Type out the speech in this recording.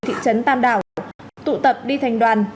thị trấn tam đảo tụ tập đi thành đoàn